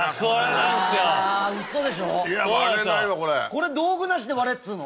これ道具なしで割れっつうの？